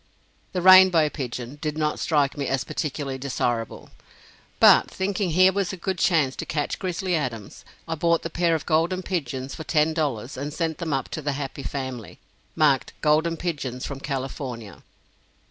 The "rainbow pigeon" did not strike me as particularly desirable; but, thinking here was a good chance to catch "Grizzly Adams," I bought the pair of golden pigeons for ten dollars, and sent them up to the "Happy Family," marked "Golden Pigeons from California."